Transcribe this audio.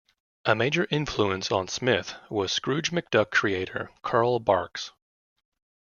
A major influence on Smith was Scrooge McDuck creator Carl Barks.